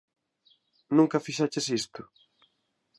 Nunca fixeches isto?